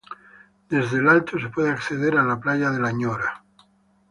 Desde el Alto, se puede acceder a la Playa de la Ñora.